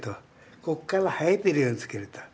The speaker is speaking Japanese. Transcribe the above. ここから生えてるように付けると。